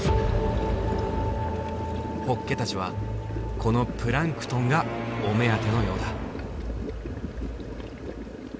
ホッケたちはこのプランクトンがお目当てのようだ。